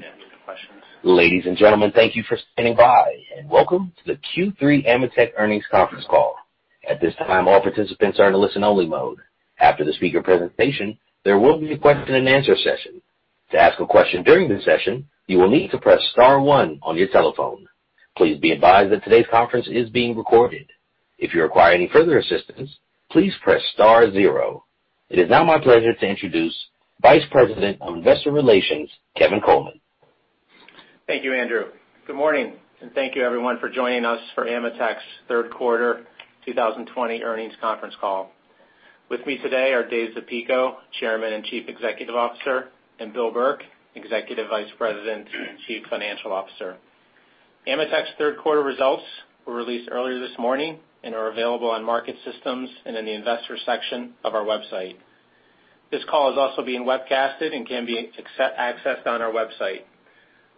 Yeah, we can take questions. Ladies and gentlemen, thank you for standing by, welcome to the Q3 AMETEK Land Earnings Conference Call. At this time, all participants are in a listen-only mode. After the speaker presentation, there will be a question and answer session. To ask a question during the session, you will need to press star one on your telephone. Please be advised that today's conference is being recorded. If you require any further assistance, please press star zero. It is now my pleasure to introduce Vice President of Investor Relations, Kevin Coleman. Thank you, Andrew. Good morning, and thank you everyone for joining us for AMETEK's third quarter 2020 earnings conference call. With me today are Dave Zapico, Chairman and Chief Executive Officer, and Bill Burke, Executive Vice President and Chief Financial Officer. AMETEK's third quarter results were released earlier this morning and are available on market systems and in the investor section of our website. This call is also being webcasted and can be accessed on our website.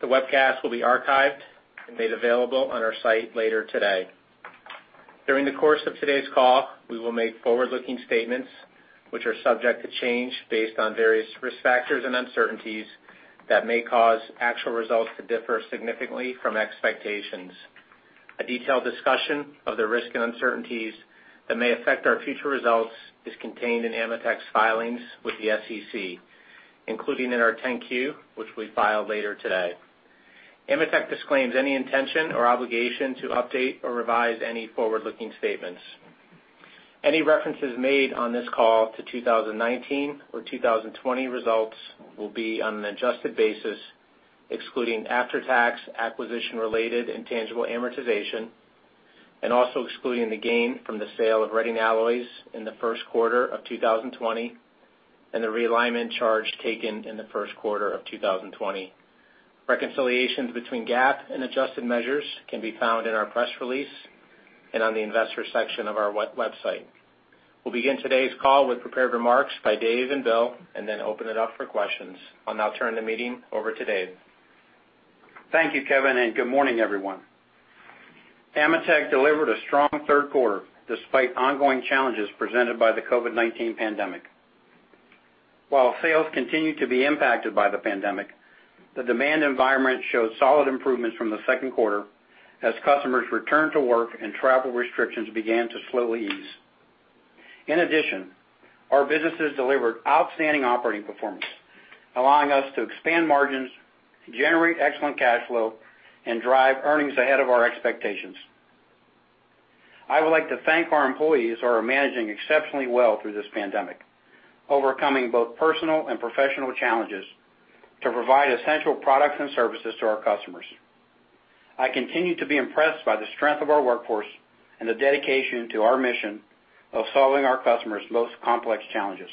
The webcast will be archived and made available on our site later today. During the course of today's call, we will make forward-looking statements which are subject to change based on various risk factors and uncertainties that may cause actual results to differ significantly from expectations. A detailed discussion of the risk and uncertainties that may affect our future results is contained in AMETEK's filings with the SEC, including in our 10-Q, which we file later today. AMETEK disclaims any intention or obligation to update or revise any forward-looking statements. Any references made on this call to 2019 or 2020 results will be on an adjusted basis, excluding after-tax acquisition-related intangible amortization, and also excluding the gain from the sale of Reading Alloys in the first quarter of 2020, and the realignment charge taken in the first quarter of 2020. Reconciliations between GAAP and adjusted measures can be found in our press release and on the investor section of our website. We'll begin today's call with prepared remarks by Dave and Bill, and then open it up for questions. I'll now turn the meeting over to Dave. Thank you, Kevin. Good morning, everyone. AMETEK delivered a strong third quarter despite ongoing challenges presented by the COVID-19 pandemic. While sales continued to be impacted by the pandemic, the demand environment showed solid improvements from the second quarter as customers returned to work and travel restrictions began to slowly ease. In addition, our businesses delivered outstanding operating performance, allowing us to expand margins, generate excellent cash flow, and drive earnings ahead of our expectations. I would like to thank our employees who are managing exceptionally well through this pandemic, overcoming both personal and professional challenges to provide essential products and services to our customers. I continue to be impressed by the strength of our workforce and the dedication to our mission of solving our customers' most complex challenges.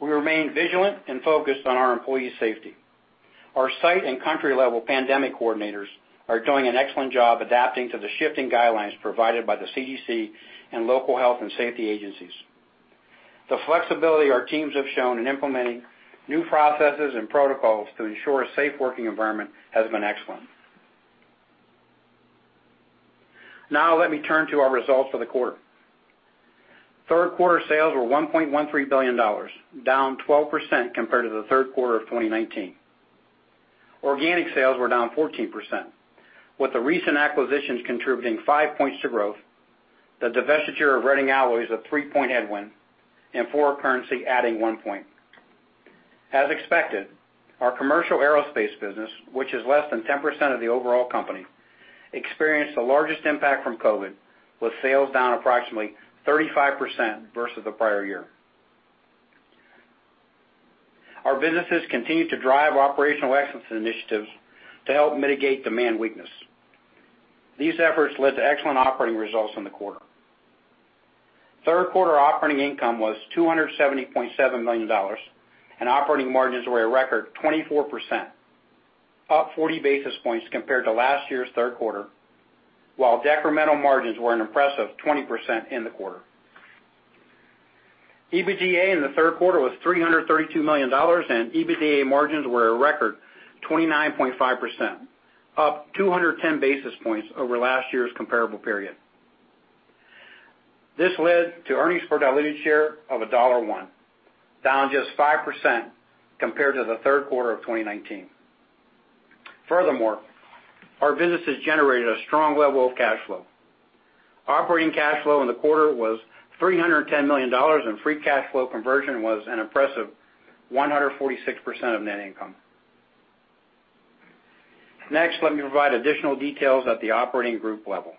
We remain vigilant and focused on our employees' safety. Our site and country-level pandemic coordinators are doing an excellent job adapting to the shifting guidelines provided by the CDC and local health and safety agencies. The flexibility our teams have shown in implementing new processes and protocols to ensure a safe working environment has been excellent. Now let me turn to our results for the quarter. Third quarter sales were $1.13 billion, down 12% compared to the third quarter of 2019. Organic sales were down 14%, with the recent acquisitions contributing five points to growth, the divestiture of Reading Alloys a three-point headwind, and foreign currency adding one point. As expected, our commercial aerospace business, which is less than 10% of the overall company, experienced the largest impact from COVID, with sales down approximately 35% versus the prior year. Our businesses continue to drive operational excellence initiatives to help mitigate demand weakness. These efforts led to excellent operating results in the quarter. Third quarter operating income was $270.7 million, and operating margins were a record 24%, up 40 basis points compared to last year's third quarter, while decremental margins were an impressive 20% in the quarter. EBITDA in the third quarter was $332 million, and EBITDA margins were a record 29.5%, up 210 basis points over last year's comparable period. This led to earnings per diluted share of $1.01, down just 5% compared to the third quarter of 2019. Furthermore, our businesses generated a strong level of cash flow. Operating cash flow in the quarter was $310 million, and free cash flow conversion was an impressive 146% of net income. Next, let me provide additional details at the operating group level.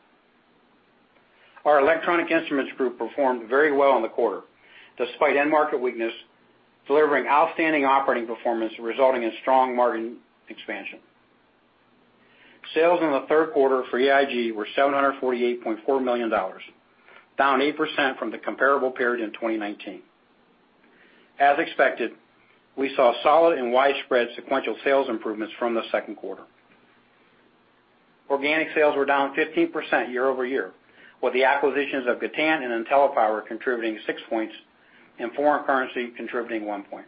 Our Electronic Instruments Group performed very well in the quarter, despite end market weakness, delivering outstanding operating performance resulting in strong margin expansion. Sales in the third quarter for EIG were $748.4 million, down 8% from the comparable period in 2019. As expected, we saw solid and widespread sequential sales improvements from the second quarter. Organic sales were down 15% year-over-year, with the acquisitions of Gatan and IntelliPower contributing six points and foreign currency contributing one point.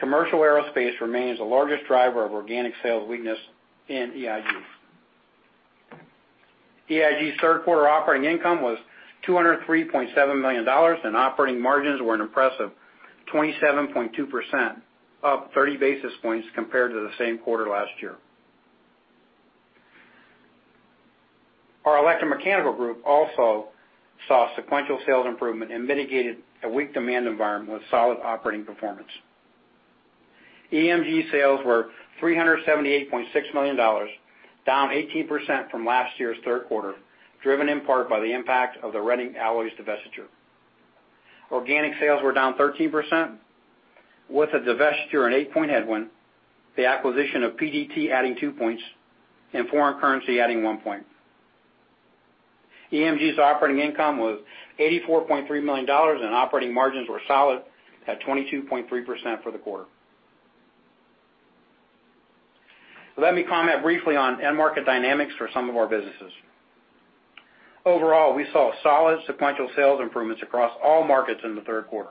Commercial aerospace remains the largest driver of organic sales weakness in EIG. EIG's third quarter operating income was $203.7 million, and operating margins were an impressive 27.2%, up 30 basis points compared to the same quarter last year. Our Electromechanical Group also saw sequential sales improvement and mitigated a weak demand environment with solid operating performance. EMG sales were $378.6 million, down 18% from last year's third quarter, driven in part by the impact of the Reading Alloys divestiture. Organic sales were down 13%, with the divestiture an eight-point headwind, the acquisition of PDT adding two points, and foreign currency adding one point. EMG's operating income was $84.3 million, and operating margins were solid at 22.3% for the quarter. Let me comment briefly on end market dynamics for some of our businesses. Overall, we saw solid sequential sales improvements across all markets in the third quarter.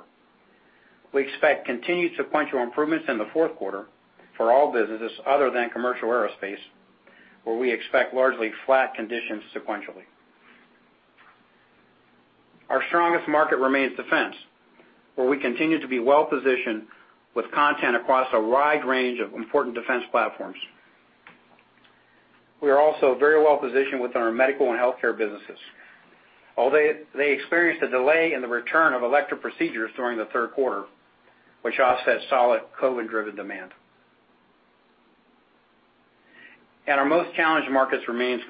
We expect continued sequential improvements in the fourth quarter for all businesses other than commercial aerospace, where we expect largely flat conditions sequentially. Our strongest market remains defense, where we continue to be well-positioned with content across a wide range of important defense platforms. We are also very well-positioned with our medical and healthcare businesses, although they experienced a delay in the return of elective procedures during the third quarter, which offset solid COVID-driven demand. Our most challenged markets uncertain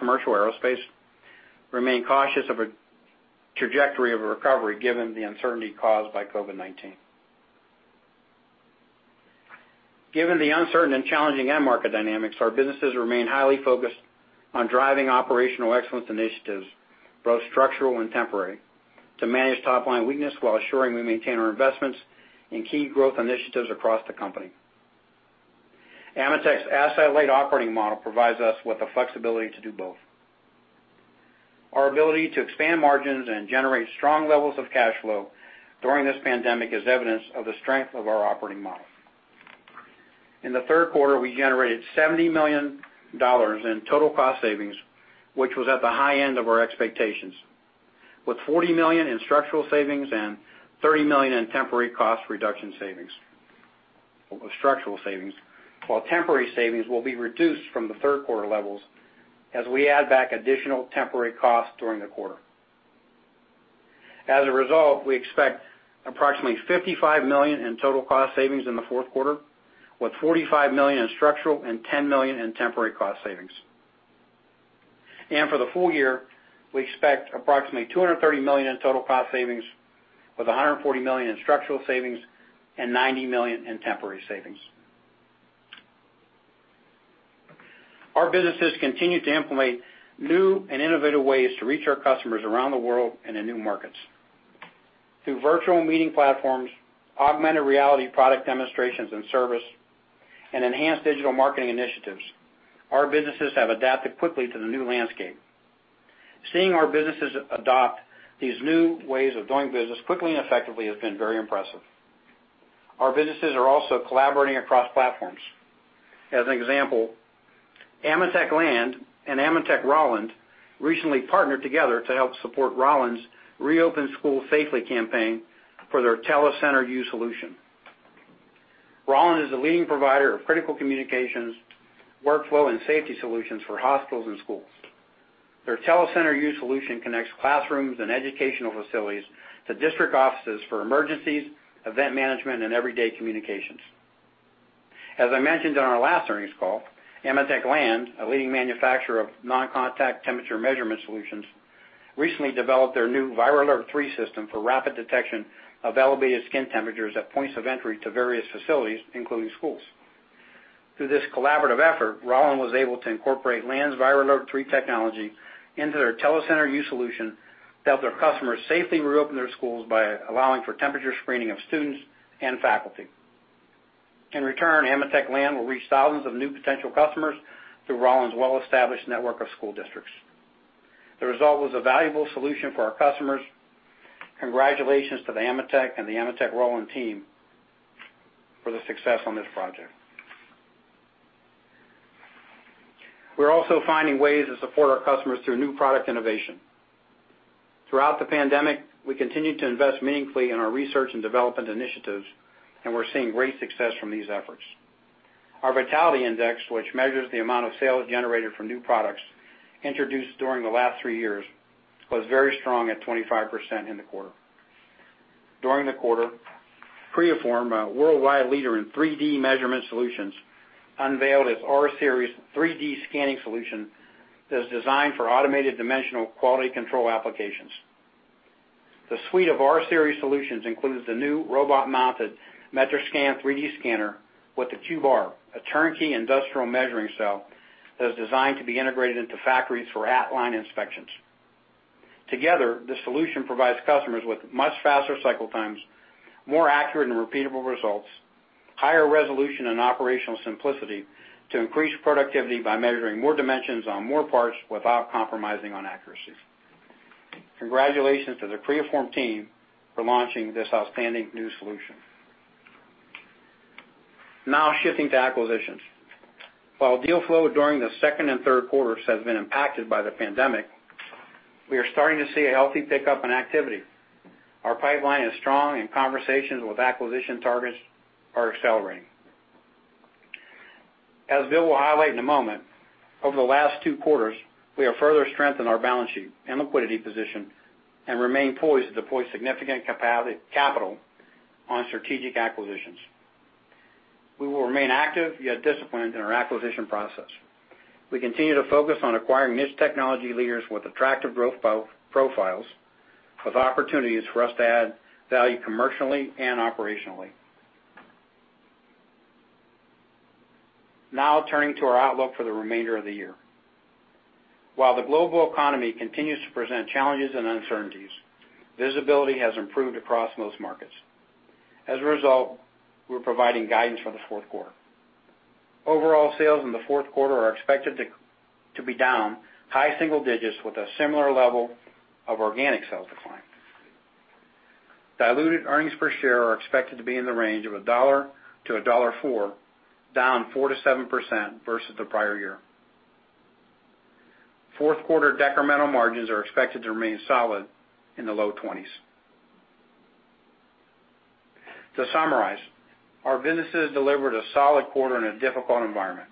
of a recovery given the uncertainty caused by COVID-19. Given the uncertain and challenging end market dynamics, our businesses remain highly focused on driving operational excellence initiatives, both structural and temporary, to manage top-line weakness while ensuring we maintain our investments in key growth initiatives across the company. AMETEK's asset-light operating model provides us with the flexibility to do both. Our ability to expand margins and generate strong levels of cash flow during this pandemic is evidence of the strength of our operating model. In the third quarter, we generated $70 million in total cost savings, which was at the high end of our expectations, with $40 million in structural savings and $30 million in temporary cost reduction savings. uncertain will be reduced from the third-quarter levels as we add back additional temporary costs during the quarter. As a result, we expect approximately $55 million in total cost savings in the fourth quarter, with $45 million in structural and $10 million in temporary cost savings. For the full year, we expect approximately $230 million in total cost savings with $140 million in structural savings and $90 million in temporary savings. Our businesses continue to implement new and innovative ways to reach our customers around the world and in new markets. Through virtual meeting platforms, augmented reality product demonstrations and service, and enhanced digital marketing initiatives, our businesses have adapted quickly to the new landscape. Seeing our businesses adopt these new ways of doing business quickly and effectively has been very impressive. Our businesses are also collaborating across platforms. As an example, AMETEK Land and AMETEK Rauland recently partnered together to help support Rauland's Reopen Schools Safely campaign for their Telecenter U solution. Rauland is a leading provider of critical communications, workflow, and safety solutions for hospitals and schools. Their Telecenter U solution connects classrooms and educational facilities to district offices for emergencies, event management, and everyday communications. As I mentioned on our last earnings call, AMETEK Land, a leading manufacturer of non-contact temperature measurement solutions, recently developed their new VIRALERT 3 system for rapid detection of elevated skin temperatures at points of entry to various facilities, including schools. Through this collaborative effort, Rauland was able to incorporate Land's VIRALERT 3 technology into their Telecenter U solution to help their customers safely reopen their schools by allowing for temperature screening of students and faculty. In return, AMETEK Land will reach thousands of new potential customers through Rauland's well-established network of school districts. The result was a valuable solution for our customers. Congratulations to the AMETEK and the AMETEK Rauland team for the success on this project. We're also finding ways to support our customers through new product innovation. Throughout the pandemic, we continued to invest meaningfully in our research and development initiatives, and we're seeing great success from these efforts. Our vitality index, which measures the amount of sales generated from new products introduced during the last three years, was very strong at 25% in the quarter. During the quarter, Creaform, a worldwide leader in 3D measurement solutions, unveiled its R-Series 3D scanning solution that is designed for automated dimensional quality control applications. The suite of R-Series solutions includes the new robot-mounted MetraSCAN 3D-R scanner with the CUBE-R, a turnkey industrial measuring cell that is designed to be integrated into factories for at-line inspections. Together, this solution provides customers with much faster cycle times, more accurate and repeatable results, higher resolution, and operational simplicity to increase productivity by measuring more dimensions on more parts without compromising on accuracy. Congratulations to the Creaform team for launching this outstanding new solution. Now shifting to acquisitions. While deal flow during the second and third quarters has been impacted by the pandemic, we are starting to see a healthy pickup in activity. Our pipeline is strong, and conversations with acquisition targets are accelerating. As Bill will highlight in a moment, over the last two quarters, we have further strengthened our balance sheet and liquidity position and remain poised to deploy significant capital on strategic acquisitions. We will remain active, yet disciplined in our acquisition process. We continue to focus on acquiring niche technology leaders with attractive growth profiles, with opportunities for us to add value commercially and operationally. Turning to our outlook for the remainder of the year. While the global economy continues to present challenges and uncertainties, visibility has improved across most markets. As a result, we're providing guidance for the fourth quarter. Overall sales in the fourth quarter are expected to be down high single digits with a similar level of organic sales decline. Diluted earnings per share are expected to be in the range of $1 to $1.04, down 4%-7% versus the prior year. Fourth quarter decremental margins are expected to remain solid in the low 20s. To summarize, our businesses delivered a solid quarter in a difficult environment.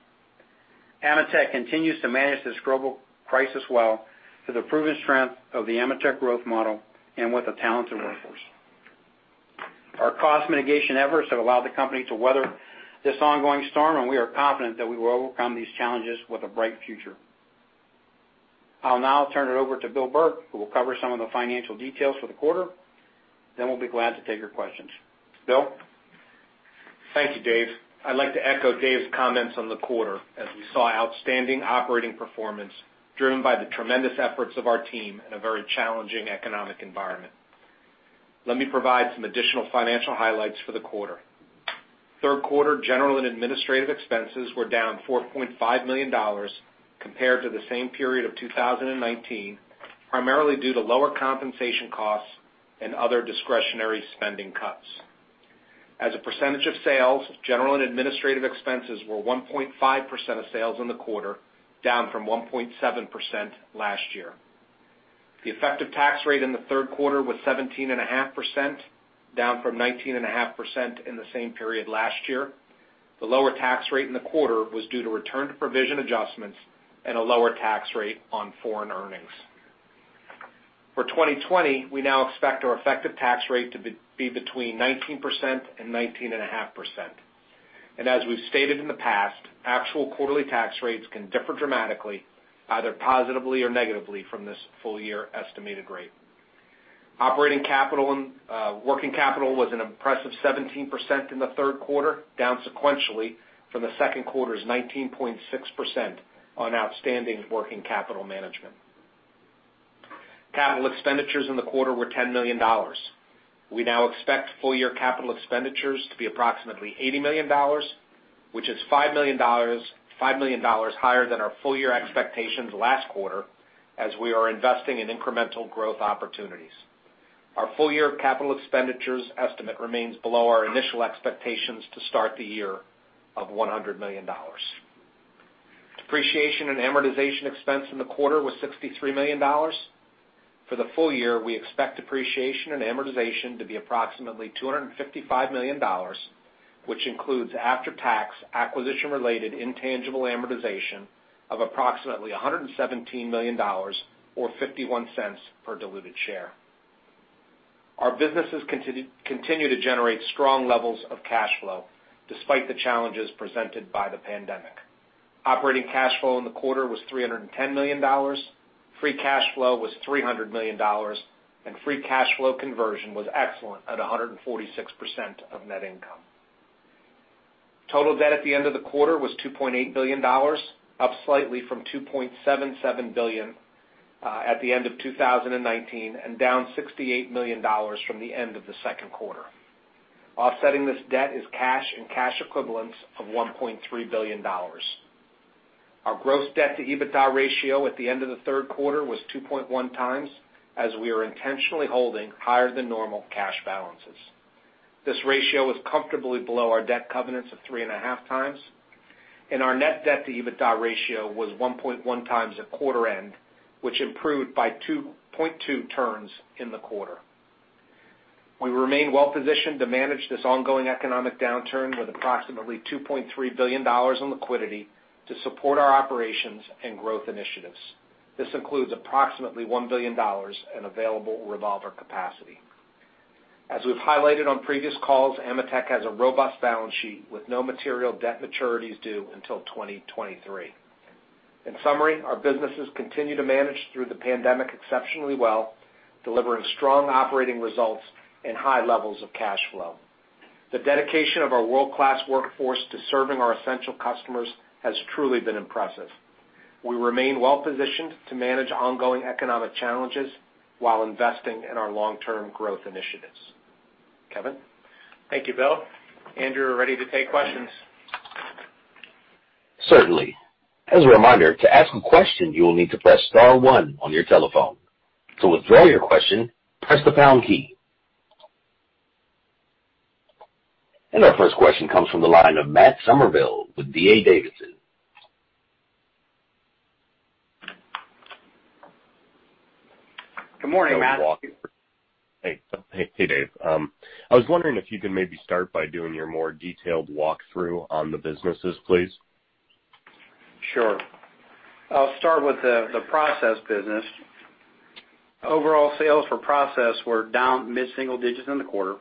AMETEK continues to manage this global crisis well through the proven strength of the AMETEK growth model and with a talented workforce. Our cost mitigation efforts have allowed the company to weather this ongoing storm, and we are confident that we will overcome these challenges with a bright future. I'll now turn it over to Bill Burke, who will cover some of the financial details for the quarter, then we'll be glad to take your questions. Bill? Thank you, Dave. I'd like to echo Dave's comments on the quarter, as we saw outstanding operating performance driven by the tremendous efforts of our team in a very challenging economic environment. Let me provide some additional financial highlights for the quarter. Third quarter general and administrative expenses were down $4.5 million compared to the same period of 2019, primarily due to lower compensation costs and other discretionary spending cuts. As a percentage of sales, general and administrative expenses were 1.5% of sales in the quarter, down from 1.7% last year. The effective tax rate in the third quarter was 17.5%, down from 19.5% in the same period last year. The lower tax rate in the quarter was due to return to provision adjustments and a lower tax rate on foreign earnings. For 2020, we now expect our effective tax rate to be between 19% and 19.5%. As we've stated in the past, actual quarterly tax rates can differ dramatically, either positively or negatively, from this full year estimated rate. Operating working capital was an impressive 17% in the third quarter, down sequentially from the second quarter's 19.6% on outstanding working capital management. Capital expenditures in the quarter were $10 million. We now expect full year capital expenditures to be approximately $80 million, which is $5 million higher than our full year expectations last quarter, as we are investing in incremental growth opportunities. Our full year capital expenditures estimate remains below our initial expectations to start the year of $100 million. Depreciation and amortization expense in the quarter was $63 million. For the full year, we expect depreciation and amortization to be approximately $255 million, which includes after-tax acquisition-related intangible amortization of approximately $117 million or $0.51 per diluted share. Our businesses continue to generate strong levels of cash flow despite the challenges presented by the pandemic. Operating cash flow in the quarter was $310 million, free cash flow was $300 million, and free cash flow conversion was excellent at 146% of net income. Total debt at the end of the quarter was $2.8 billion, up slightly from $2.77 billion at the end of 2019 and down $68 million from the end of the second quarter. Offsetting this debt is cash and cash equivalents of $1.3 billion. Our gross debt to EBITDA ratio at the end of the third quarter was 2.1 times, as we are intentionally holding higher than normal cash balances. This ratio is comfortably below our debt covenants of 3.5 times, and our net debt to EBITDA ratio was 1.1 times at quarter end, which improved by 0.2 turns in the quarter. We remain well positioned to manage this ongoing economic downturn with approximately $2.3 billion in liquidity to support our operations and growth initiatives. This includes approximately $1 billion in available revolver capacity. As we've highlighted on previous calls, AMETEK has a robust balance sheet with no material debt maturities due until 2023. In summary, our businesses continue to manage through the pandemic exceptionally well, delivering strong operating results and high levels of cash flow. The dedication of our world-class workforce to serving our essential customers has truly been impressive. We remain well positioned to manage ongoing economic challenges while investing in our long-term growth initiatives. Kevin? Thank you, Bill. Andrew, we're ready to take questions. Certainly. As a reminder, to ask a question, you will need to press star one on your telephone. To withdraw your question, press the pound key. Our first question comes from the line of Matt Summerville with D.A. Davidson. Good morning, Matt. Hey, Dave. I was wondering if you could maybe start by doing your more detailed walkthrough on the businesses, please. Sure. I'll start with the process business. Overall sales for process were down mid-single digits in the quarter.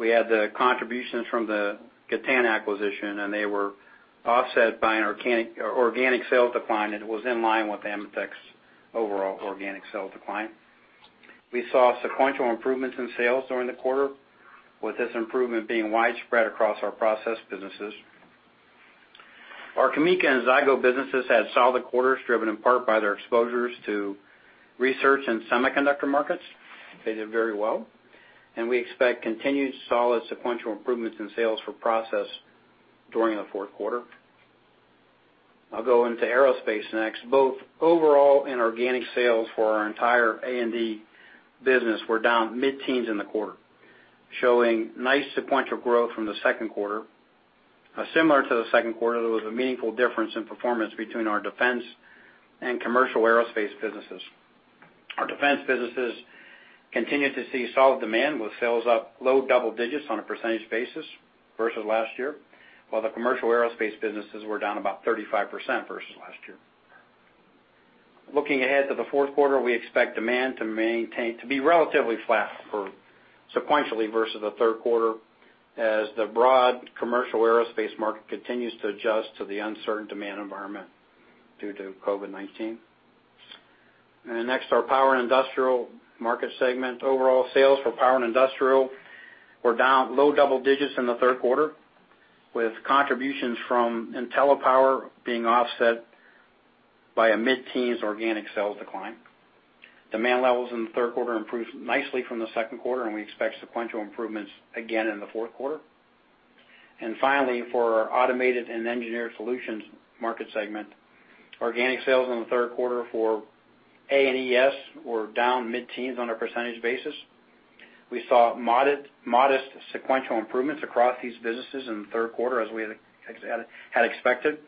We had the contributions from the Gatan acquisition. They were offset by an organic sales decline that was in line with AMETEK's overall organic sales decline. We saw sequential improvements in sales during the quarter, with this improvement being widespread across our process businesses. Our CAMECA and Zygo businesses had solid quarters, driven in part by their exposures to research in semiconductor markets. They did very well. We expect continued solid sequential improvements in sales for process during the fourth quarter. I'll go into aerospace next. Both overall and organic sales for our entire A&D business were down mid-teens in the quarter, showing nice sequential growth from the second quarter. Similar to the second quarter, there was a meaningful difference in performance between our defense and commercial aerospace businesses. Our defense businesses continued to see solid demand with sales up low double digits on a percentage basis versus last year, while the commercial aerospace businesses were down about 35% versus last year. Looking ahead to the fourth quarter, we expect demand to be relatively flat sequentially versus the third quarter, as the broad commercial aerospace market continues to adjust to the uncertain demand environment due to COVID-19. Next, our power and industrial market segment. Overall sales for power and industrial were down low double digits in the third quarter, with contributions from IntelliPower being offset by a mid-teens organic sales decline. Demand levels in the third quarter improved nicely from the second quarter. We expect sequential improvements again in the fourth quarter. Finally, for our automated and engineered solutions market segment, organic sales in the third quarter for A&ES were down mid-teens on a percentage basis. We saw modest sequential improvements across these businesses in the third quarter, as we had expected,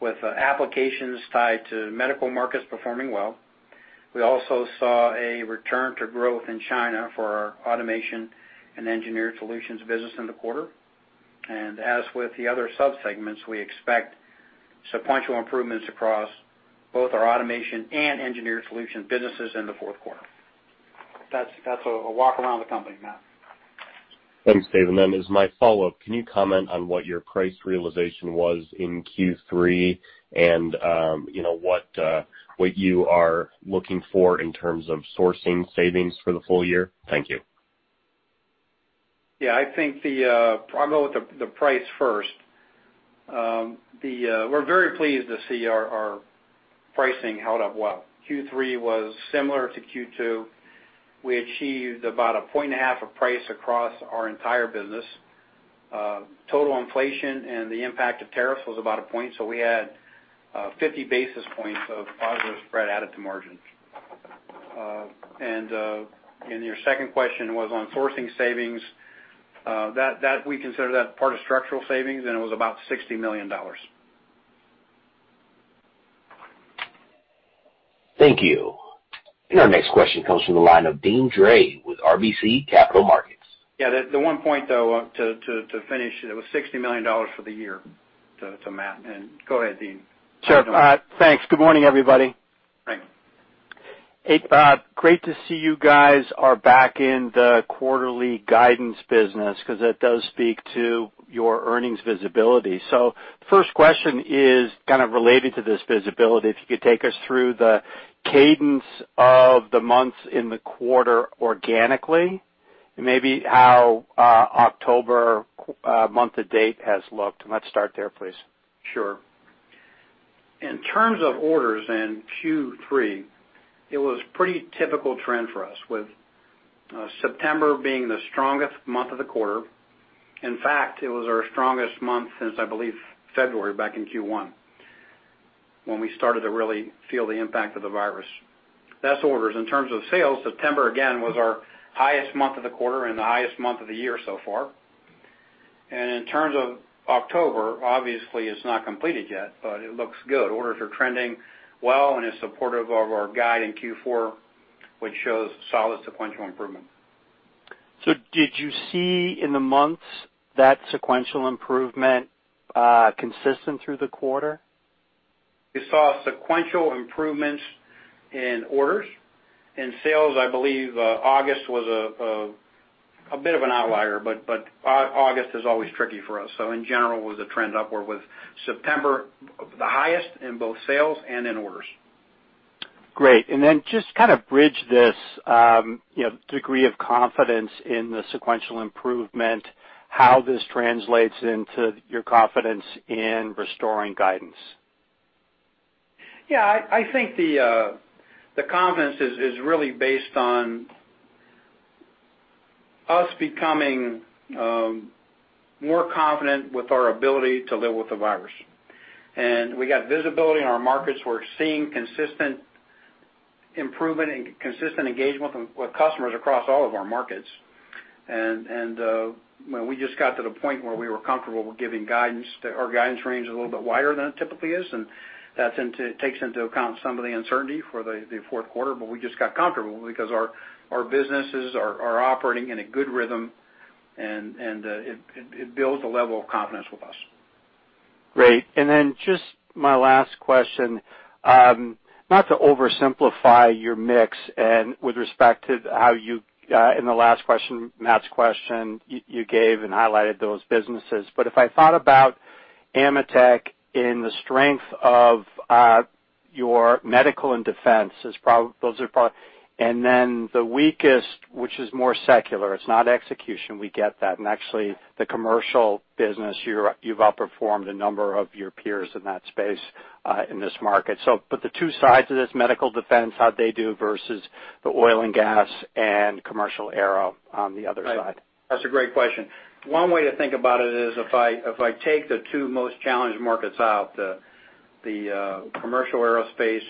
with applications tied to medical markets performing well. We also saw a return to growth in China for our Automation & Engineered Solutions business in the quarter. As with the other subsegments, we expect sequential improvements across both our Automation & Engineered Solutions businesses in the fourth quarter. That's a walk around the company, Matt. Thanks, Dave. As my follow-up, can you comment on what your price realization was in Q3 and what you are looking for in terms of sourcing savings for the full year? Thank you. I'll go with the price first. We're very pleased to see our pricing held up well. Q3 was similar to Q2. We achieved about a point and a half of price across our entire business. Total inflation and the impact of tariffs was about a point, so we had 50 basis points of positive spread added to margin. Your second question was on sourcing savings. We consider that part of structural savings, and it was about $60 million. Thank you. Our next question comes from the line of Deane Dray with RBC Capital Markets. Yeah. The one point, though, to finish, it was $60 million for the year, to Matt, and go ahead, Deane. Sure. Thanks. Good morning, everybody. Morning. Great to see you guys are back in the quarterly guidance business because that does speak to your earnings visibility. First question is kind of related to this visibility. If you could take us through the cadence of the months in the quarter organically, and maybe how October month to date has looked. Let's start there, please. Sure. In terms of orders in Q3, it was pretty typical trend for us, with September being the strongest month of the quarter. In fact, it was our strongest month since, I believe, February back in Q1, when we started to really feel the impact of the virus. That's orders. In terms of sales, September, again, was our highest month of the quarter and the highest month of the year so far. In terms of October, obviously it's not completed yet, but it looks good. Orders are trending well and is supportive of our guide in Q4, which shows solid sequential improvement. Did you see in the months that sequential improvement consistent through the quarter? We saw sequential improvements in orders. In sales, I believe August was a bit of an outlier, but August is always tricky for us. In general, it was a trend upward with September the highest in both sales and in orders. Great. Just kind of bridge this degree of confidence in the sequential improvement, how this translates into your confidence in restoring guidance? Yeah. I think the confidence is really based on us becoming more confident with our ability to live with the virus. We got visibility in our markets. We're seeing consistent improvement and consistent engagement with customers across all of our markets. We just got to the point where we were comfortable with giving our guidance range a little bit wider than it typically is, and that takes into account some of the uncertainty for the fourth quarter. We just got comfortable because our businesses are operating in a good rhythm, and it builds a level of confidence with us. Great. Just my last question. Not to oversimplify your mix and with respect to how you, in the last question, Matt's question, you gave and highlighted those businesses. If I thought about AMETEK in the strength of your medical and defense, the weakest, which is more secular, it's not execution, we get that, and actually the commercial business, you've outperformed a number of your peers in that space, in this market. The two sides of this medical defense, how'd they do versus the oil and gas and commercial aero on the other side? That's a great question. One way to think about it is if I take the two most challenged markets out, the commercial aerospace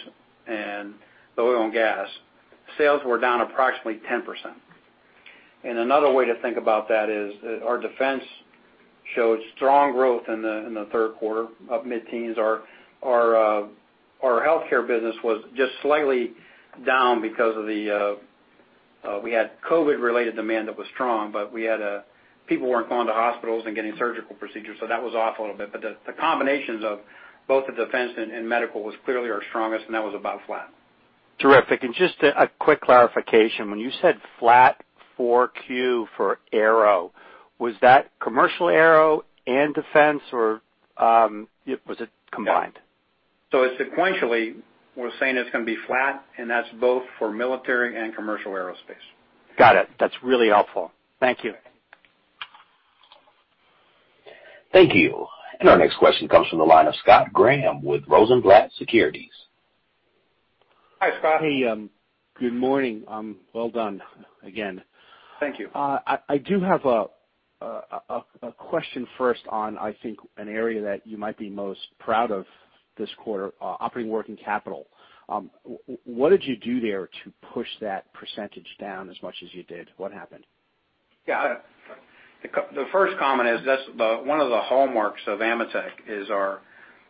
and the oil and gas, sales were down approximately 10%. Another way to think about that is our defense showed strong growth in the third quarter of mid-teens. Our healthcare business was just slightly down because we had COVID-related demand that was strong, but people weren't going to hospitals and getting surgical procedures, so that was off a little bit. The combinations of both the defense and medical was clearly our strongest, and that was about flat. Terrific. Just a quick clarification. When you said flat 4Q for aero, was that commercial aero and defense, or was it combined? Sequentially, we're saying it's going to be flat, and that's both for military and commercial aerospace. Got it. That's really helpful. Thank you. Thank you. Our next question comes from the line of Scott Graham with Rosenblatt Securities. Hi, Scott. Hey, good morning. Well done again. Thank you. I do have a question first on, I think, an area that you might be most proud of this quarter, operating working capital. What did you do there to push that percentage down as much as you did? What happened? Yeah. The first comment is one of the hallmarks of AMETEK is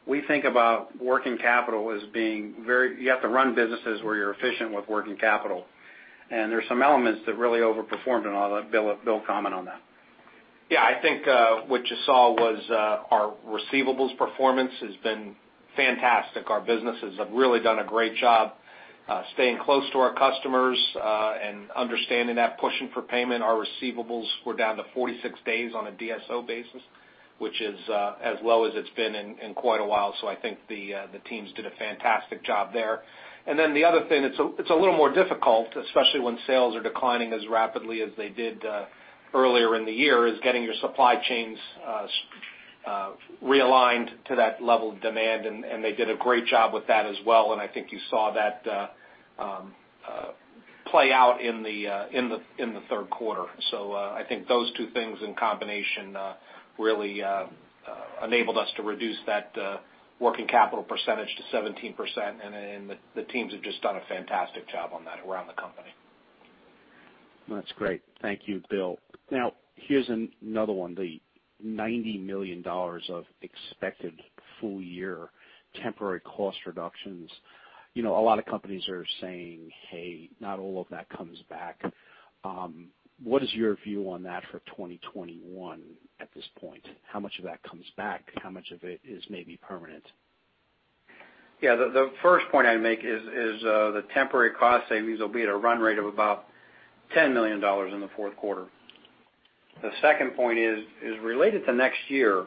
we think about working capital as being. You have to run businesses where you're efficient with working capital, and there's some elements that really overperformed, and Bill will comment on that. Yeah, I think, what you saw was our receivables performance has been fantastic. Our businesses have really done a great job staying close to our customers, and understanding that pushing for payment, our receivables were down to 46 days on a DSO basis, which is as low as it's been in quite a while. I think the teams did a fantastic job there. The other thing, it's a little more difficult, especially when sales are declining as rapidly as they did earlier in the year, is getting your supply chains realigned to that level of demand, and they did a great job with that as well, and I think you saw that play out in the third quarter. I think those two things in combination really enabled us to reduce that working capital percentage to 17%, and the teams have just done a fantastic job on that around the company. That's great. Thank you, Bill. Here's another one. The $90 million of expected full year temporary cost reductions. A lot of companies are saying, "Hey, not all of that comes back." What is your view on that for 2021 at this point? How much of that comes back? How much of it is maybe permanent? Yeah, the first point I'd make is the temporary cost savings will be at a run rate of about $10 million in the fourth quarter. The second point is related to next year.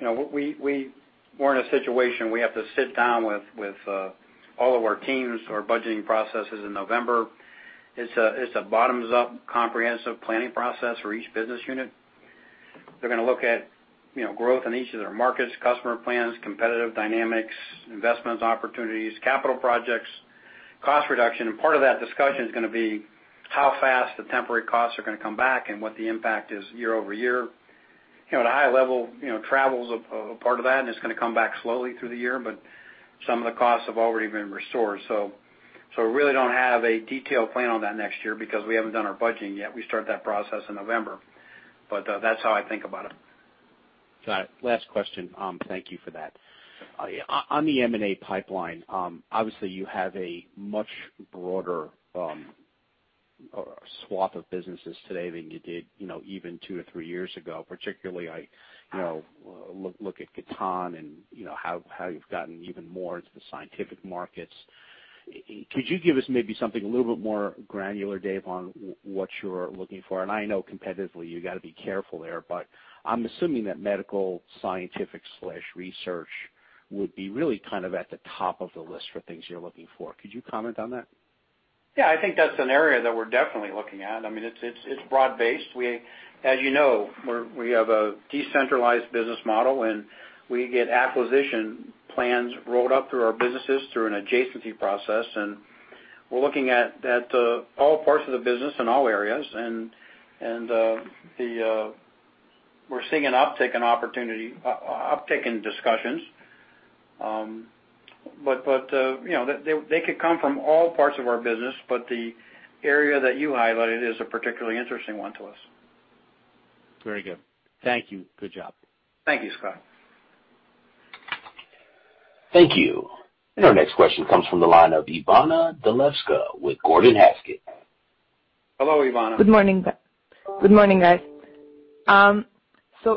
We're in a situation we have to sit down with all of our teams, our budgeting processes in November. It's a bottoms-up comprehensive planning process for each business unit. They're going to look at growth in each of their markets, customer plans, competitive dynamics, investments opportunities, capital projects, cost reduction, and part of that discussion is going to be how fast the temporary costs are going to come back and what the impact is year-over-year. At a high level, travel's a part of that, and it's going to come back slowly through the year, but some of the costs have already been restored. We really don't have a detailed plan on that next year because we haven't done our budgeting yet. We start that process in November. That's how I think about it. Got it. Last question. Thank you for that. On the M&A pipeline, obviously you have a much broader swath of businesses today than you did even two to three years ago. Particularly I look at Gatan, and how you've gotten even more into the scientific markets. Could you give us maybe something a little bit more granular, Dave, on what you're looking for? I know competitively you got to be careful there, but I'm assuming that medical scientific/research would be really kind of at the top of the list for things you're looking for. Could you comment on that? Yeah, I think that's an area that we're definitely looking at. It's broad-based. As you know, we have a decentralized business model, and we get acquisition plans rolled up through our businesses through an adjacency process, and we're looking at all parts of the business in all areas. We're seeing an uptick in opportunity, uptick in discussions. They could come from all parts of our business, but the area that you highlighted is a particularly interesting one to us. Very good. Thank you. Good job. Thank you, Scott. Thank you. Our next question comes from the line of Ivana Delevska with Gordon Haskett. Hello, Ivana. Good morning, guys.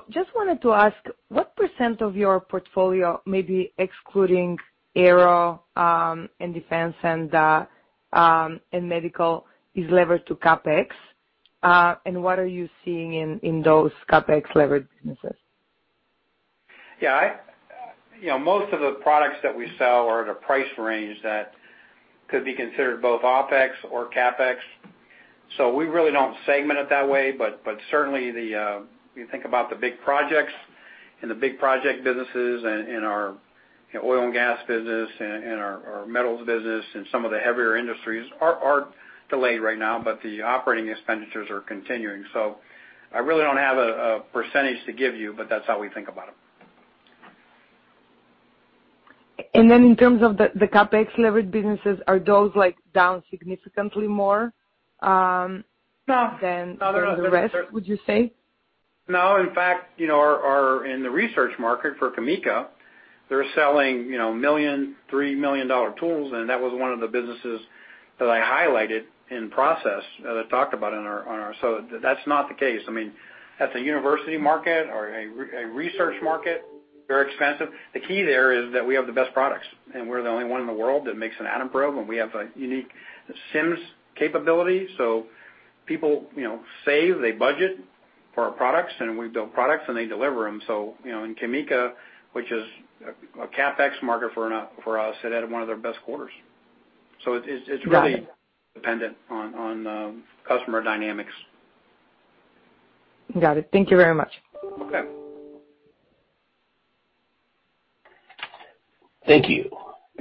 Just wanted to ask, what % of your portfolio, maybe excluding aero, and defense, and medical, is levered to CapEx? What are you seeing in those CapEx-levered businesses? Yeah. Most of the products that we sell are at a price range that could be considered both OpEx or CapEx. We really don't segment it that way, but certainly, you think about the big projects and the big project businesses in our oil and gas business, in our metals business, and some of the heavier industries are delayed right now. The operating expenditures are continuing. I really don't have a percentage to give you, but that's how we think about them. In terms of the CapEx-levered businesses, are those down significantly? No than the rest, would you say? In fact, in the research market for CAMECA, they're selling million, $3 million tools, and that was one of the businesses that I highlighted in process that I talked about. That's not the case. That's a university market or a research market. Very expensive. The key there is that we have the best products, and we're the only one in the world that makes an atom probe, and we have a unique SIMS capability. People save, they budget for our products, and we build products, and they deliver them. In CAMECA, which is a CapEx market for us, they had one of their best quarters. It's really dependent on customer dynamics. Got it. Thank you very much. Okay. Thank you.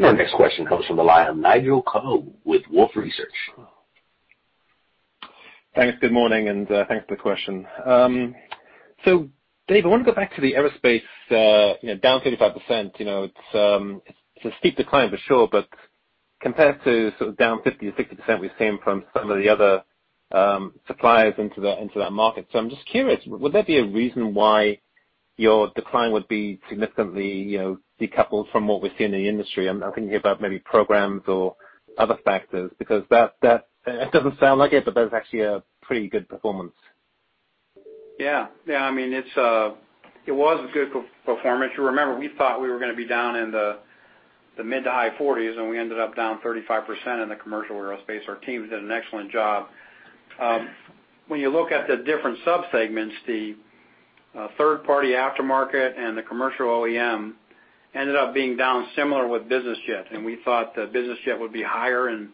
Our next question comes from the line of Nigel Coe with Wolfe Research. Thanks. Good morning, and thanks for the question. Dave, I want to go back to the aerospace, down 35%. It's a steep decline for sure, but compared to down 50%-60% we've seen from some of the other suppliers into that market. I'm just curious, would there be a reason why your decline would be significantly decoupled from what we're seeing in the industry? I'm thinking about maybe programs or other factors, because that doesn't sound like it, but that is actually a pretty good performance. It was a good performance. If you remember, we thought we were going to be down in the mid to high 40s, and we ended up down 35% in the commercial aerospace. Our team's done an excellent job. When you look at the different subsegments, the third-party aftermarket and the commercial OEM ended up being down similar with business jets. We thought the business jet would be higher and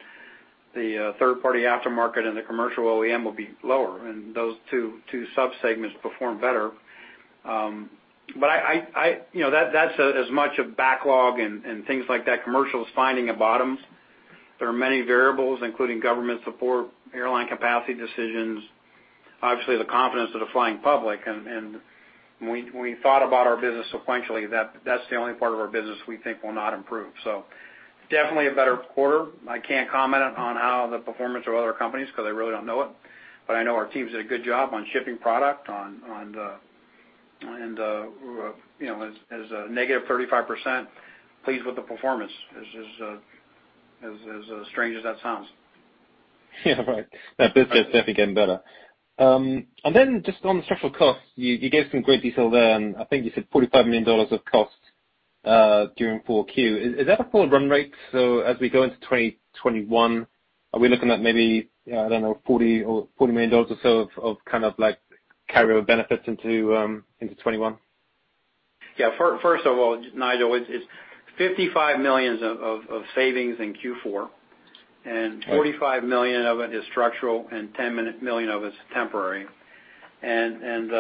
the third-party aftermarket and the commercial OEM would be lower, and those two subsegments performed better. That's as much a backlog and things like that. Commercial's finding a bottom. There are many variables, including government support, airline capacity decisions, obviously the confidence of the flying public. When we thought about our business sequentially, that's the only part of our business we think will not improve. Definitely a better quarter. I can't comment on how the performance of other companies, because I really don't know it. I know our teams did a good job on shipping product, and as a negative 35%, pleased with the performance, as strange as that sounds. Yeah, right. That business is definitely getting better. Just on structural costs, you gave some great detail there, and I think you said $45 million of costs during 4Q. Is that a full run rate? As we go into 2021, are we looking at maybe, I don't know, $40 million or so of carryover benefits into 2021? Yeah. First of all, Nigel, it's $55 million of savings in Q4. Right. $45 million of it is structural and $10 million of it's temporary. There's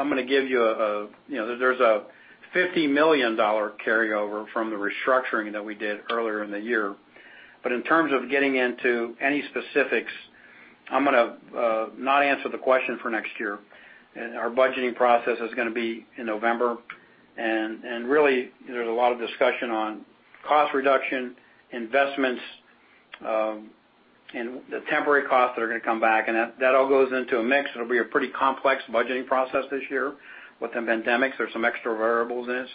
a $50 million carryover from the restructuring that we did earlier in the year. In terms of getting into any specifics, I'm going to not answer the question for next year. Our budgeting process is going to be in November, and really, there's a lot of discussion on cost reduction, investments, and the temporary costs that are going to come back. That all goes into a mix. It'll be a pretty complex budgeting process this year. With the pandemic, there's some extra variables in it,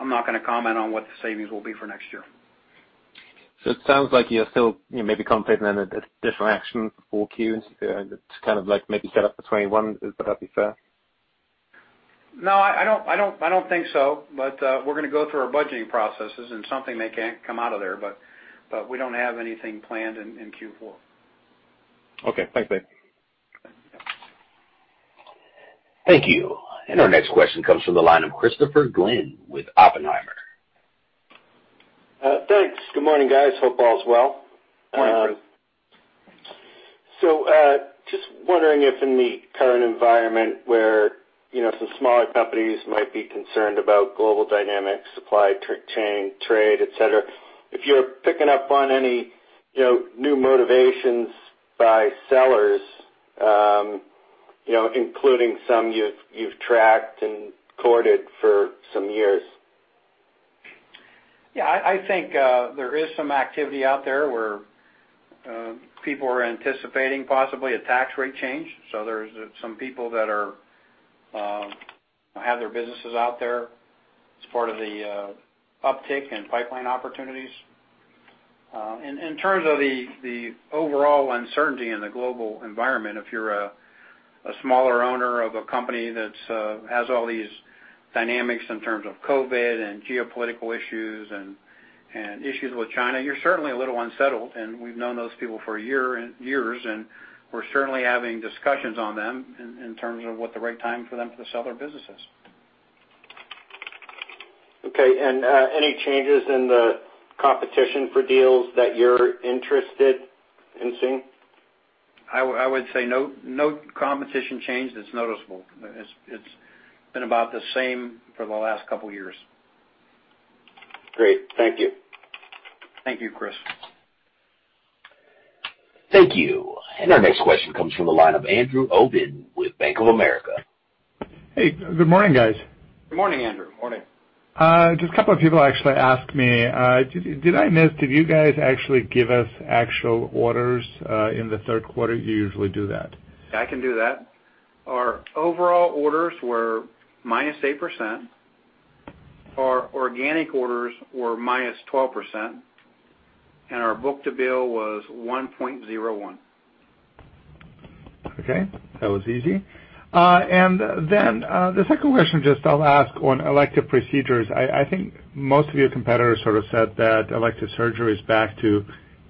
I'm not going to comment on what the savings will be for next year. It sounds like you're still maybe contemplating a different action for 4Q to kind of maybe set up for 2021. Would that be fair? No, I don't think so. We're going to go through our budgeting processes, and something may come out of there. We don't have anything planned in Q4. Okay. Thanks, Dave. Thank you. Our next question comes from the line of Christopher Glynn with Oppenheimer. Thanks. Good morning, guys. Hope all is well. Good morning, Chris. Just wondering if in the current environment where some smaller companies might be concerned about global dynamics, supply chain, trade, et cetera, if you're picking up on any new motivations by sellers, including some you've tracked and courted for some years? Yeah. I think there is some activity out there where people are anticipating possibly a tax rate change. There's some people that have their businesses out there as part of the uptick in pipeline opportunities. In terms of the overall uncertainty in the global environment, if you're a smaller owner of a company that has all these dynamics in terms of COVID and geopolitical issues and issues with China, you're certainly a little unsettled, and we've known those people for years, and we're certainly having discussions on them in terms of what the right time for them to sell their business is. Okay. Any changes in the competition for deals that you're interested in seeing? I would say no competition change that's noticeable. It's been about the same for the last couple of years. Great. Thank you. Thank you, Christopher. Thank you. Our next question comes from the line of Andrew Obin with Bank of America. Hey, good morning, guys. Good morning, Andrew. Morning. Just a couple of people actually asked me, did I miss, did you guys actually give us actual orders in the third quarter? You usually do that. I can do that. Our overall orders were -8%. Our organic orders were -12%. Our book-to-bill was 1.01. Okay. That was easy. The second question, just I'll ask on elective procedures. I think most of your competitors sort of said that elective surgery is back to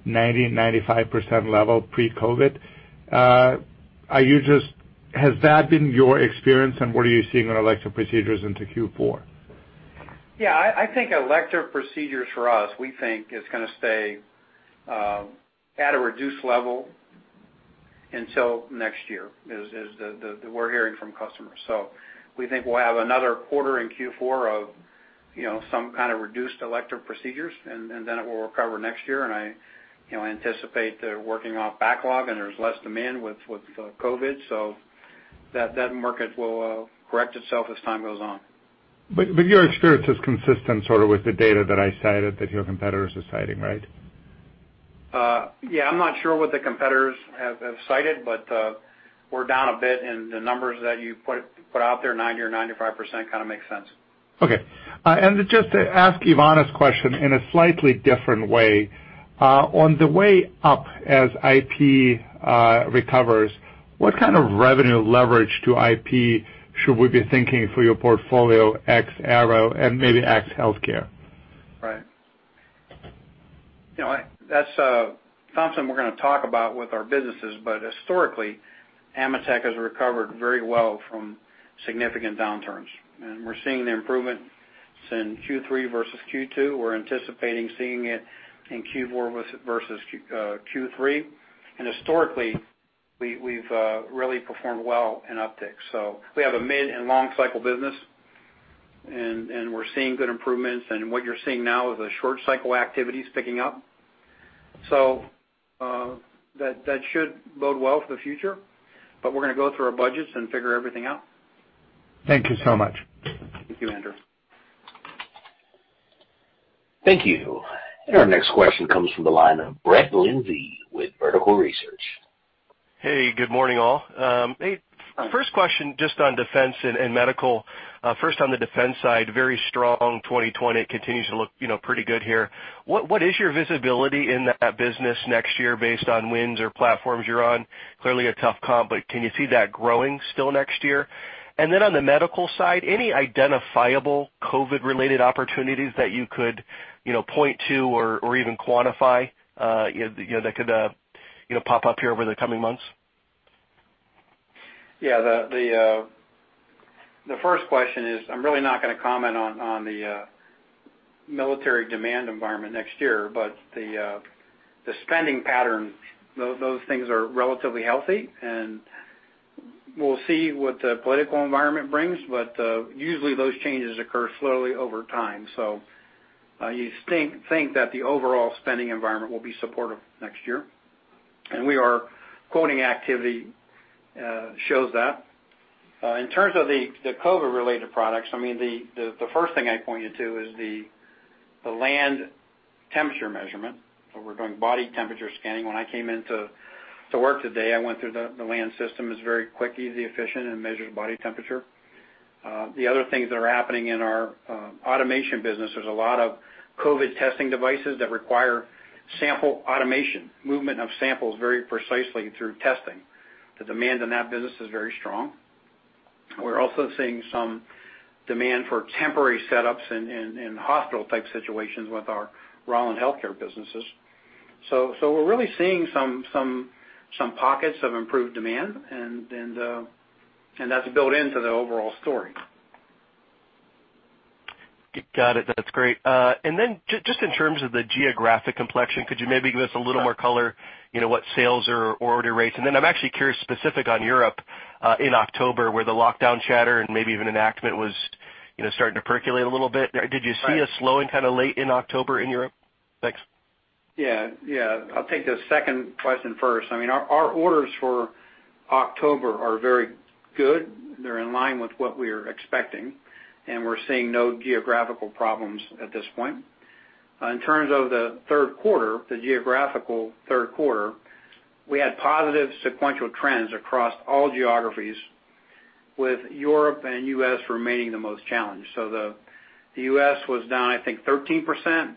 90%-95% level pre-COVID-19. Has that been your experience, and what are you seeing on elective procedures into Q4? Yeah, I think elective procedures for us, we think is going to stay at a reduced level until next year, is what we're hearing from customers. We think we'll have another quarter in Q4 of some kind of reduced elective procedures, and then it will recover next year. I anticipate they're working off backlog, and there's less demand with COVID, so that market will correct itself as time goes on. Your experience is consistent sort of with the data that I cited that your competitors are citing, right? Yeah, I'm not sure what the competitors have cited, but we're down a bit in the numbers that you put out there, 90% or 95% kind of makes sense. Okay. Just to ask Ivana's question in a slightly different way. On the way up as IP recovers, what kind of revenue leverage to IP should we be thinking for your portfolio ex aero and maybe ex healthcare? Right. That's something we're going to talk about with our businesses, but historically, AMETEK has recovered very well from significant downturns. We're seeing the improvements in Q3 versus Q2. We're anticipating seeing it in Q4 versus Q3. Historically, we've really performed well in upticks, so we have a mid and long cycle business, and we're seeing good improvements. What you're seeing now is the short cycle activities picking up. That should bode well for the future. We're going to go through our budgets and figure everything out. Thank you so much. Thank you, Andrew. Thank you. Our next question comes from the line of Brett Linzey with Vertical Research. Hey, good morning, all. First question just on defense and medical. On the defense side, very strong 2020. It continues to look pretty good here. What is your visibility in that business next year based on wins or platforms you're on? Clearly a tough comp, can you see that growing still next year? On the medical side, any identifiable COVID-19 related opportunities that you could point to or even quantify that could pop up here over the coming months? The first question is, I'm really not going to comment on the military demand environment next year, but the spending pattern, those things are relatively healthy, and we'll see what the political environment brings. Usually those changes occur slowly over time. You think that the overall spending environment will be supportive next year. Our quoting activity shows that. In terms of the COVID-19 related products, the first thing I'd point you to is the Land temperature measurement, where we're doing body temperature scanning. When I came into work today, I went through the Land system. It's very quick, easy, efficient, and measures body temperature. The other things that are happening in our automation business, there's a lot of COVID-19 testing devices that require sample automation, movement of samples very precisely through testing. The demand in that business is very strong. We're also seeing some demand for temporary setups in hospital type situations with our Rauland healthcare businesses. We're really seeing some pockets of improved demand, and that's built into the overall story. Got it. That's great. Just in terms of the geographic complexion, could you maybe give us a little more color, what sales or order rates? I'm actually curious specific on Europe, in October where the lockdown chatter and maybe even enactment was starting to percolate a little bit. Right. Did you see a slowing kind of late in October in Europe? Thanks. Yeah. I'll take the second question first. Our orders for October are very good. They're in line with what we're expecting, and we're seeing no geographical problems at this point. In terms of the third quarter, the geographical third quarter, we had positive sequential trends across all geographies, with Europe and U.S. remaining the most challenged. The U.S. was down, I think, 13%,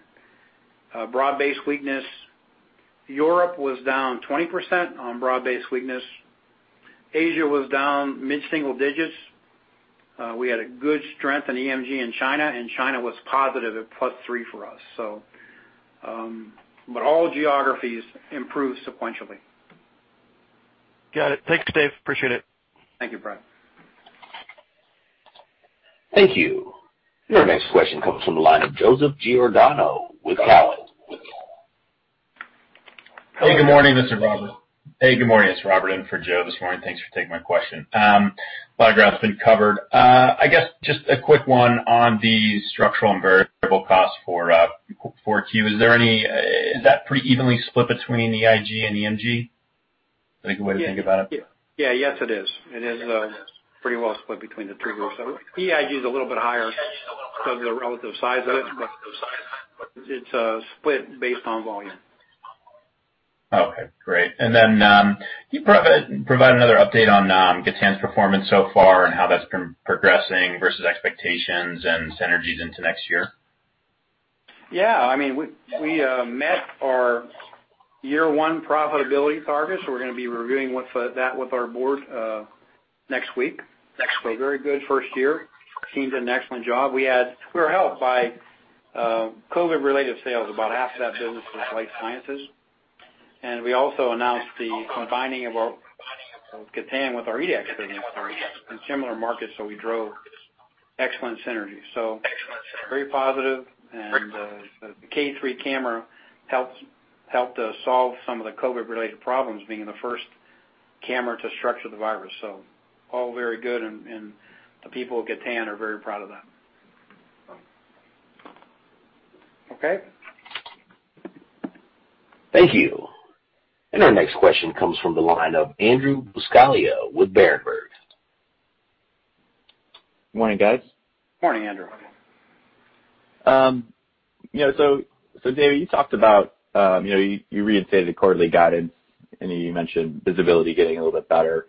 broad-based weakness. Europe was down 20% on broad-based weakness. Asia was down mid-single digits. We had a good strength in EMG in China, and China was positive at +3% for us. All geographies improved sequentially. Got it. Thanks, Dave. Appreciate it. Thank you, Brett. Thank you. Your next question comes from the line of Joseph Giordano with Cowen. Hey, good morning, it's Robert in for Joe this morning. Thanks for taking my question. A lot of ground's been covered. I guess just a quick one on the structural and variable costs for Q. Is that pretty evenly split between the EIG and EMG? Is that a good way to think about it? Yeah. Yes, it is. It is pretty well split between the two groups. EIG is a little bit higher because of the relative size of it, but it's split based on volume. Okay, great. Can you provide another update on Gatan's performance so far and how that's been progressing versus expectations and synergies into next year? We met our year one profitability targets. We're going to be reviewing that with our board next week. Very good first year. Team did an excellent job. We were helped by COVID-related sales. About half of that business was life sciences, and we also announced the combining of Gatan with our EDAX business in similar markets, we drove excellent synergy. Very positive, and the K3 camera helped us solve some of the COVID-related problems, being the first camera to structure the virus. All very good, and the people at Gatan are very proud of that. Okay. Thank you. Our next question comes from the line of Andrew Buscaglia with Berenberg. Good morning, guys. Morning, Andrew. Dave, you talked about, you reinstated the quarterly guidance, and you mentioned visibility getting a little bit better,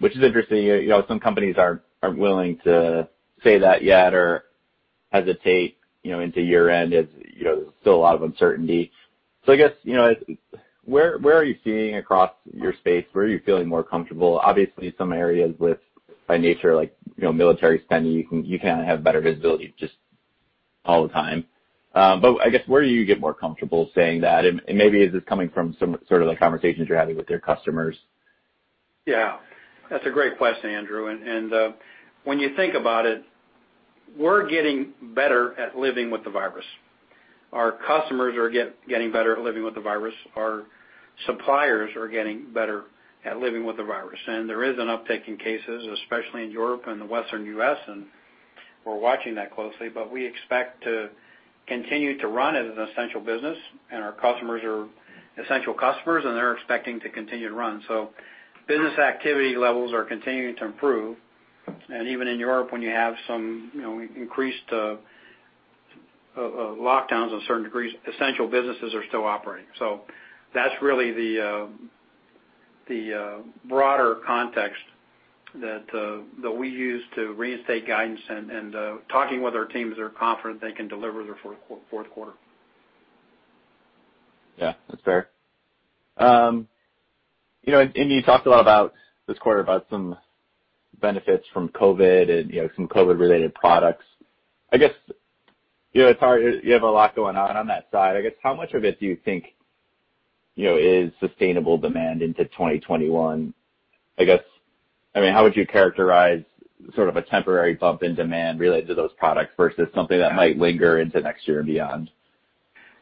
which is interesting. Some companies aren't willing to say that yet or hesitate into year-end as there's still a lot of uncertainty. I guess, where are you seeing across your space? Where are you feeling more comfortable? Obviously, some areas with, by nature, like military spending, you kind of have better visibility just all the time. I guess, where do you get more comfortable saying that? Maybe is this coming from some sort of the conversations you're having with your customers? Yeah. That's a great question, Andrew. When you think about it, we're getting better at living with the virus. Our customers are getting better at living with the virus. Our suppliers are getting better at living with the virus. There is an uptick in cases, especially in Europe and the Western U.S., and we're watching that closely. We expect to continue to run it as an essential business, and our customers are essential customers, and they're expecting to continue to run. Business activity levels are continuing to improve. Even in Europe, when you have some increased lockdowns of certain degrees, essential businesses are still operating. That's really the broader context that we use to reinstate guidance and talking with our teams, they're confident they can deliver the fourth quarter. Yeah, that's fair. You talked a lot about this quarter about some benefits from COVID and some COVID-related products. I guess, it's hard, you have a lot going on on that side. I guess, how much of it do you think is sustainable demand into 2021? I guess, how would you characterize sort of a temporary bump in demand related to those products versus something that might linger into next year and beyond?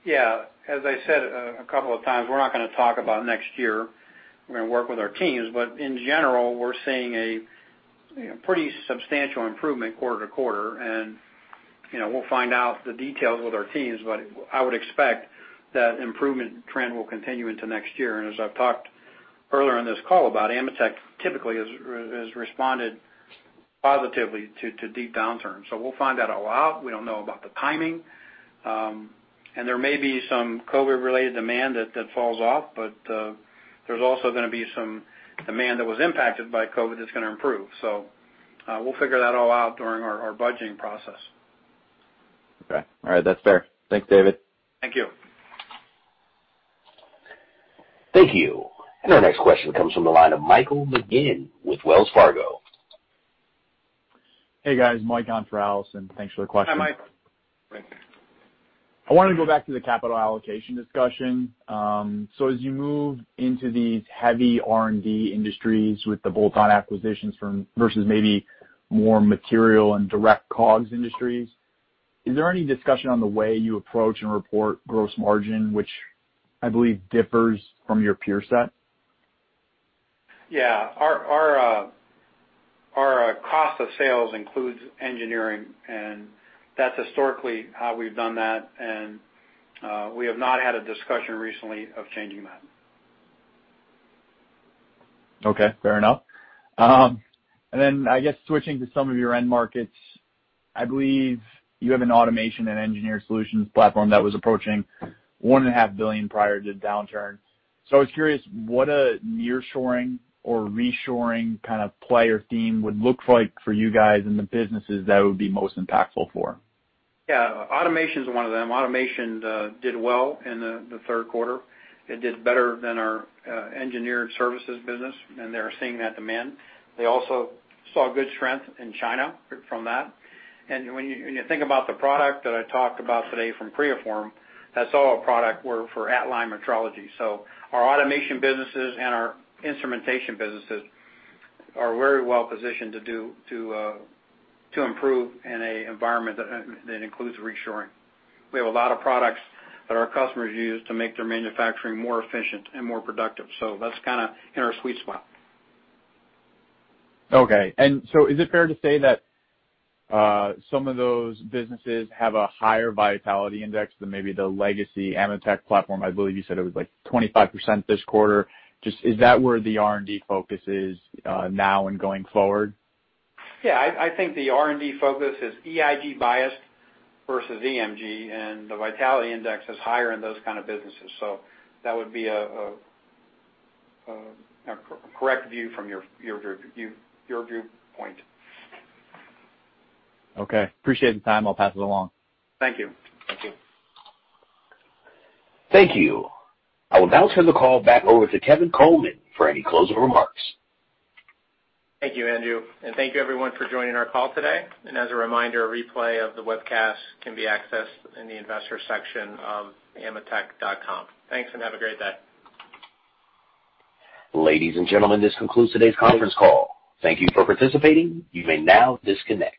Yeah. As I said a couple of times, we're not going to talk about next year. We're going to work with our teams. In general, we're seeing a pretty substantial improvement quarter to quarter, and we'll find out the details with our teams. I would expect that improvement trend will continue into next year. As I've talked earlier on this call about AMETEK typically has responded positively to deep downturns. We'll find that all out. We don't know about the timing. There may be some COVID-19-related demand that falls off, but there's also going to be some demand that was impacted by COVID-19 that's going to improve. We'll figure that all out during our budgeting process. Okay. All right. That's fair. Thanks, Dave. Thank you. Thank you. Our next question comes from the line of Michael McGinn with Wells Fargo. Hey, guys. Mike on for Allison. Thanks for the question. Hi, Mike. I wanted to go back to the capital allocation discussion. As you move into these heavy R&D industries with the bolt-on acquisitions versus maybe more material and direct COGS industries, is there any discussion on the way you approach and report gross margin, which I believe differs from your peer set? Yeah. Our cost of sales includes engineering, and that's historically how we've done that, and we have not had a discussion recently of changing that. Okay, fair enough. I guess switching to some of your end markets, I believe you have an Automation & Engineered Solutions platform that was approaching $1.5 billion prior to the downturn. I was curious, what a near-shoring or reshoring kind of play or theme would look like for you guys and the businesses that would be most impactful for? Yeah, Automation's one of them. Automation did well in the third quarter. It did better than our Engineered Solutions business, and they're seeing that demand. They also saw good strength in China from that. And when you think about the product that I talked about today from Creaform, that's all a product for at-line metrology. So our Automation businesses and our instrumentation businesses are very well positioned to improve in an environment that includes reshoring. We have a lot of products that our customers use to make their manufacturing more efficient and more productive, so that's kind of in our sweet spot. Okay. Is it fair to say that some of those businesses have a higher vitality index than maybe the legacy AMETEK platform? I believe you said it was like 25% this quarter. Just is that where the R&D focus is now and going forward? Yeah. I think the R&D focus is EIG biased versus EMG, and the vitality index is higher in those kind of businesses. That would be a correct view from your viewpoint. Okay. Appreciate the time. I'll pass it along. Thank you. Thank you. Thank you. I will now turn the call back over to Kevin Coleman for any closing remarks. Thank you, Andrew. Thank you everyone for joining our call today. As a reminder, a replay of the webcast can be accessed in the investor section of ametek.com. Thanks, and have a great day. Ladies and gentlemen, this concludes today's conference call. Thank you for participating. You may now disconnect.